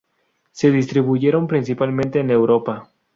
Se distribuyeron principalmente en Europa.